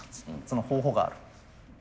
その方法がある。